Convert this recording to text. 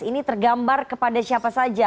ini tergambar kepada siapa saja